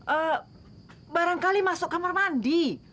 eh barangkali masuk kamar mandi